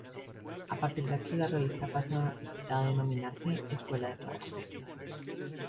A partir de aquí, la Revista pasa a denominarse Escuela de Trabajo.